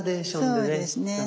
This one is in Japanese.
そうですね。